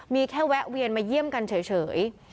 มีแค่แวะเวียนมาเยี่ยมกันเฉย